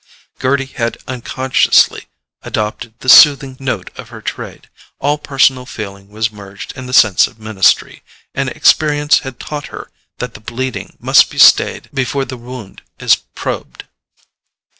Gerty had unconsciously adopted the soothing note of her trade: all personal feeling was merged in the sense of ministry, and experience had taught her that the bleeding must be stayed before the wound is probed.